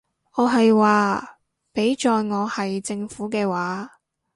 我係話，畀在我係政府嘅話